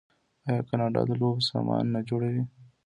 آیا کاناډا د لوبو سامان نه جوړوي؟